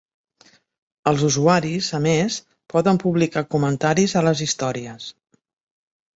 Els usuaris, a més, poden publicar comentaris a les històries.